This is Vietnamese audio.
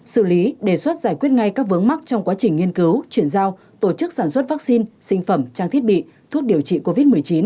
xử lý đề xuất giải quyết ngay các vướng mắc trong quá trình nghiên cứu chuyển giao tổ chức sản xuất vaccine sinh phẩm trang thiết bị thuốc điều trị covid một mươi chín